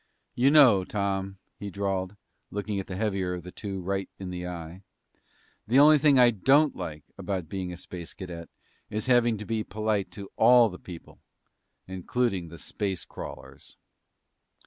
"You know, Tom," he drawled, looking the heavier of the two right in the eye, "the only thing I don't like about being a Space Cadet is having to be polite to all the people, including the space crawlers!"